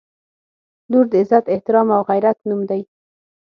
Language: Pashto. • لور د عزت، احترام او غیرت نوم دی.